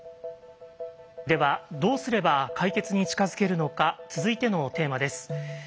ではどうすれば解決に近づけるのか続いてのテーマです。